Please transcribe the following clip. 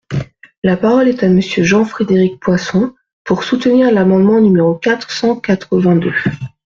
La parole est à Monsieur Jean-Frédéric Poisson, pour soutenir l’amendement numéro quatre cent quatre-vingt-deux.